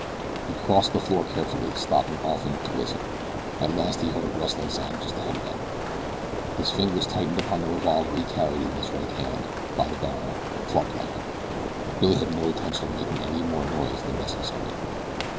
He crossed the floor carefully, stopping often to listen. At last he heard a rustling sound just ahead of him. His fingers tightened upon the revolver he carried in his right hand, by the barrel, clublike. Billy had no intention of making any more noise than necessary.